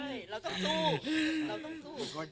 พี่ไม่มีกำลังกายทำอะไร